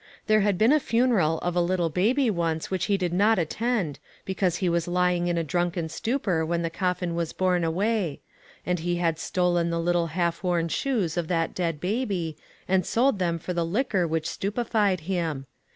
There had been a funeral of a little baby once which he did not attend, because he was lying in a drunken stupor when the coffin was borne away; and he had stolen the little half worn shoes of that dead baby, and sold them for the liquor which stupefied him.